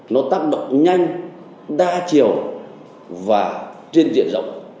nó tác động nhanh đa chiều và trên diện rộng